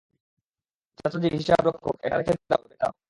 চাচা জি - হিসাবরক্ষক, এটা রেখে দাও, রেখে দাও!